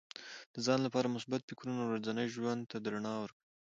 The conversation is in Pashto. د ځان لپاره مثبت فکرونه ورځني ژوند ته رڼا ورکوي.